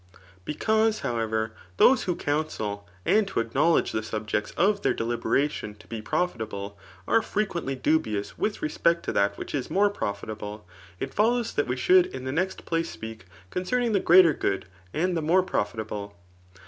Because, however, those [[who counsel] and who ao knowledge [the subjects of their deliberation] to be pro fitable, are frequently dubious with respect to that which is more profitable, it follows that we should in the next place speak concerning the greater good, and die more profitable.